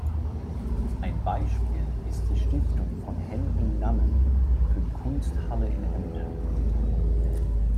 Ein Beispiel ist die Stiftung von Henri Nannen für die Kunsthalle in Emden.